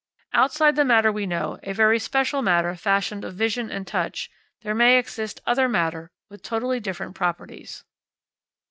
Outside the matter we know, a very special matter fashioned of vision and touch, there may exist other matter with totally different properties.